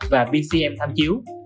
và vcm tham chiếu